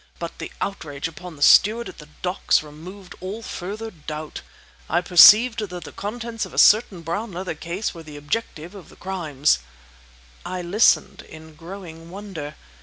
But the outrage upon the steward at the docks removed all further doubt. I perceived that the contents of a certain brown leather case were the objective of the crimes." I listened in growing wonder.